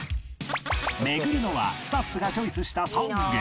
巡るのはスタッフがチョイスした３軒